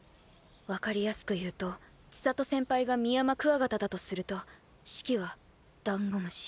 分かりやすく言うと千砂都先輩がミヤマクワガタだとすると四季はダンゴムシ。